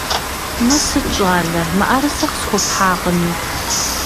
Мыр сыт, щӀалэ, мыӀэрысэ къысхуэпхьакъыми?